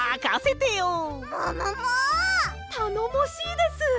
たのもしいです。